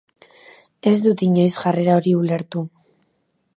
Ez dut inoiz jarrera hori ulertu.